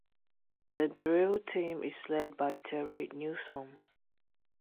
The Drill Team is led by Terry Newsome.